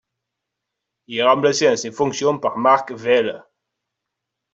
Il est remplacé dans ses fonctions par Mark Vaile.